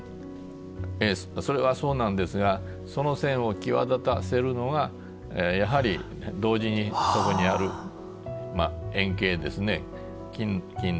ええそれはそうなんですがその線を際立たせるのがやはり同時にそこにある円形ですね金の円ということになります。